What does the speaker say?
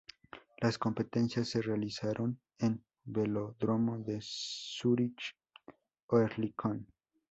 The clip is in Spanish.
Las competiciones se realizaron en Velódromo de Zúrich Oerlikon.